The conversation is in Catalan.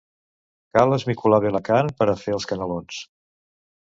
Cal esmicolar bé la carn per a fer els canelons.